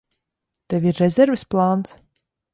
Tev ir rezerves plāns?